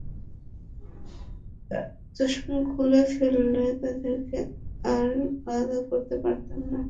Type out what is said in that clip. চশমা খুলে ফেললে তাদেরকে আর আলাদা করতে পারতাম না।